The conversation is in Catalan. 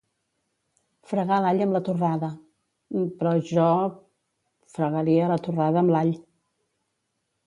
Fregar l'all amb la torrada.